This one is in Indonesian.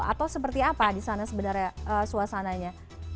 atau seperti apa di sana sebenarnya suasananya